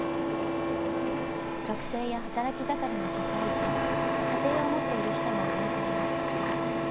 学生や働き盛りの社会人家庭を持っている人も大勢います。